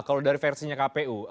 kalau dari versinya kpu